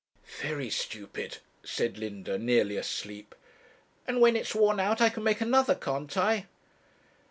'Very stupid,' said Linda, nearly asleep. 'And when it's worn out I can make another, can't I?'